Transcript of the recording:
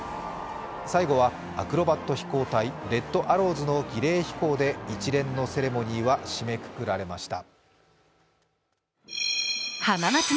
最後は、アクロバット飛行隊、レッド・アローズの儀礼飛行で一連のセレモニーは締めくくられました。